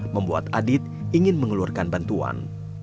membuat adit ingin mengeluarkan bantuan